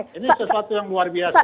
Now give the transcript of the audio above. ini sesuatu yang luar biasa